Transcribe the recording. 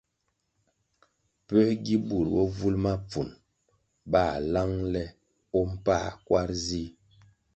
Puē gi bur bovul mapfunʼ ba lang le o pa kwar zih?